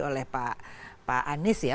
oleh pak anies ya